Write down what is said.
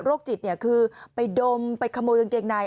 จิตคือไปดมไปขโมยกางเกงใน